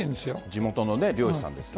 地元の漁師さんですね。